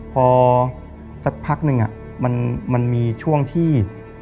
พอสักพักหนึ่งมันมีช่วงที่